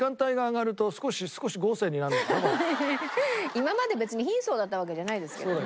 今まで別に貧素だったわけじゃないですけどね。